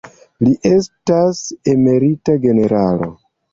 Li estas emerita generalo.